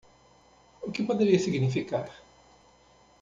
O que poderia significar?